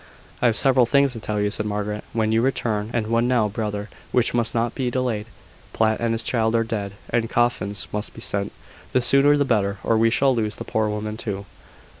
"I have several things to tell you," said Margaret, "when you return: and one now, brother, which must not be delayed. Platt and his child are dead, and coffins must be sent. The sooner the better, or we shall lose the poor woman too."